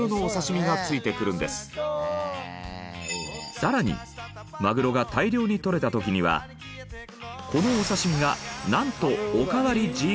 さらにマグロが大漁にとれた時にはこのお刺身がなんとおかわり自由に！